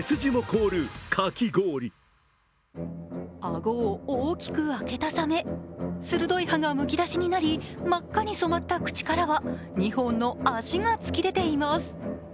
あごを大きく開けたサメ、鋭い歯がむき出しになり、真っ赤に染まった口からは２本の足が突き出ています。